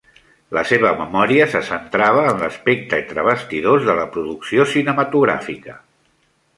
La seva memòria se centrava en l"aspecte entre bastidors de la producció cinematogràfica.